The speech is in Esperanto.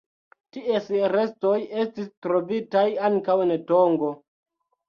Ties restoj estis trovitaj ankaŭ en Tongo.